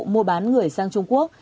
mua bán người sang trung quốc